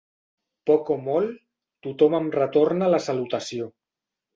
Poc o molt, tothom em retorna la salutació.